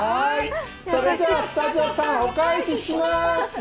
それじゃあスタジオさんお返しします。